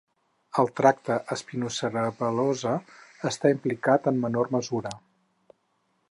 El tracte espinocerebel·losa està implicat en menor mesura.